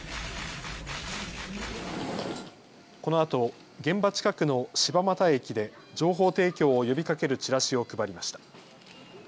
このあと現場近くの柴又駅で情報提供を呼びかけるチラシを配りました。